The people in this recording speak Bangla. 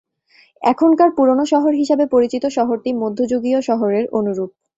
এখনকার পুরনো শহর হিসাবে পরিচিত শহরটি মধ্যযুগীয় শহরের অনুরুপ।